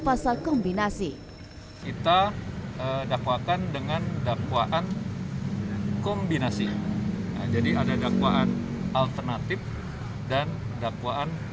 pasal kombinasi kita dakwakan dengan dakwaan kombinasi jadi ada dakwaan alternatif dan dakwaan